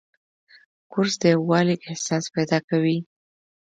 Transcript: کورس د یووالي احساس پیدا کوي.